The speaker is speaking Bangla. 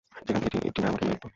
যেখান থেকে টিনা আমাকে, ইমেইল লিখত?